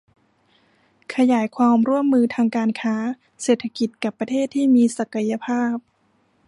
ขยายความร่วมมือทางการค้า เศรษฐกิจกับประเทศที่มีศักยภาพ